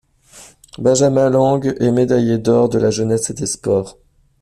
Benjamin Lang est médaillé d’Or de la Jeunesse et des Sports.